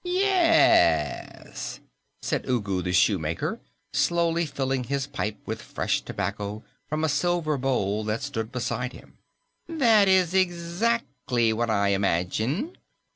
"Yes," said Ugu the Shoemaker, slowly filling his pipe with fresh tobacco from a silver bowl that stood beside him, "that is exactly what I imagine.